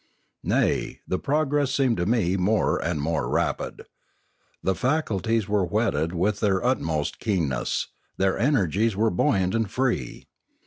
Nay, the progress seemed to me more and more rapid. The faculties were whetted to their utmost keenness; their energies were buoyant and free.